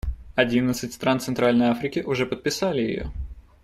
Одиннадцать стран Центральной Африки уже подписали ее.